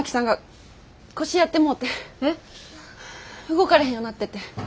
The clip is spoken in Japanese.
動かれへんようなってて。